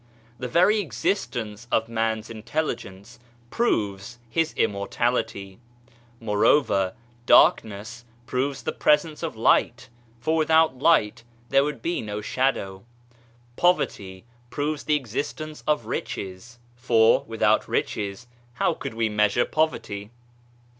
The very existence of man's intelligence proves his immortality ; moreover, darkness proves the presence of light, for without light there would be no shadow. Poverty proves the existence of riches, for, without riches, how could we measure poverty